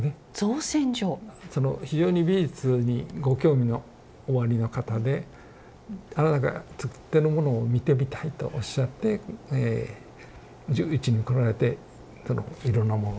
非常に美術にご興味のおありの方で「あなたがつくってるものを見てみたい」とおっしゃってうちに来られていろんなものをご覧になって。